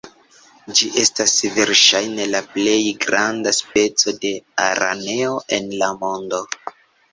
Ĝi estas verŝajne la plej granda speco de araneo en la mondo.